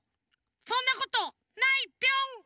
そんなことないピョン！